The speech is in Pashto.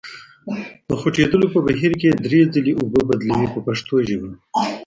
د خوټېدلو په بهیر کې یې درې ځلې اوبه بدلوئ په پښتو ژبه.